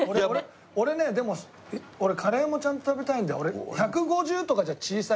俺ねでもカレーもちゃんと食べたいんだよ。